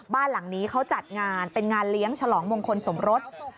บ้านหลังนี้เขาจัดงานเป็นงานเลี้ยงฉลองมงคลสมรส